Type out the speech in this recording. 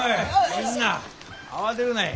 みんな慌てるない。